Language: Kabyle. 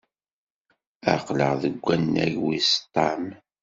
Aql-aɣ deg wannag wis ṭam.